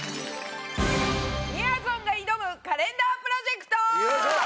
みやぞんが挑むカレンダープロジェクト。